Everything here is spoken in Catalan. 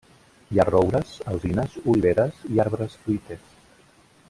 Hi ha roures, alzines, oliveres i arbres fruiters.